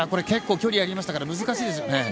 結構、距離がありましたから難しいですよね。